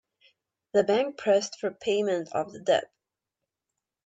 The bank pressed for payment of the debt.